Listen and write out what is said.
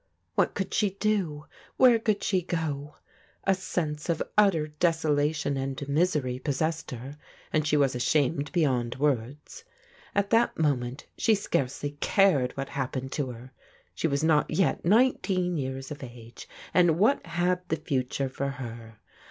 What could she do? Where could she go? A sense of utter desolation and misery possessed her, and she was ashamed beyond words. At that moment she scarcely cared what happened to her. She was not yet nineteen years of age, and what had the future for her?